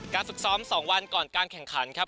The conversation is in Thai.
การศึกซ้อมสองวันก่อนการแข่งขันครับ